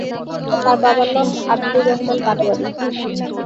তার বাবার নাম আবদুর রহমান পাটোয়ারী।